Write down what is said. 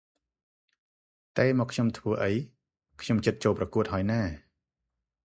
តេមកធ្វើអី ខ្ញុំជិតចូលប្រគួតហើយណា ។